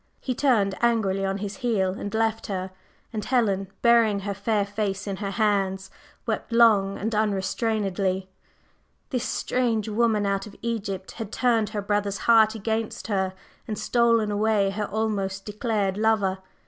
He turned angrily on his heel and left her, and Helen, burying her fair face in her hands, wept long and unrestrainedly. This "strange woman out of Egypt" had turned her brother's heart against her, and stolen away her almost declared lover.